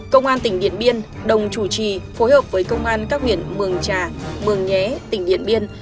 công an tỉnh điện biên đồng chủ trì phối hợp với công an các huyện mường trà mường nhé tỉnh điện biên